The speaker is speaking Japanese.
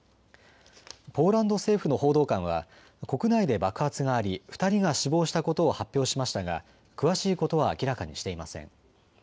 ポーランド政府の報道官は国内で爆発があり２人が死亡したことを発表しましたが詳しいことは明らかにしていません。